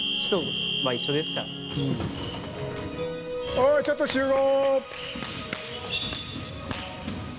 おいちょっと集合！